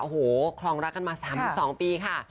โอ้โหคลองรักกันมา๓๒ปีค่ะ